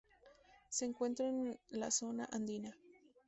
Se encuentra en la Zona Andina.